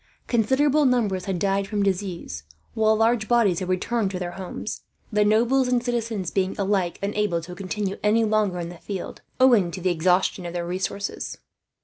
Considerable numbers had died from disease; while large bodies had returned to their homes, the nobles and citizens being alike unable to continue any longer in the field, owing to the exhaustion of their resources.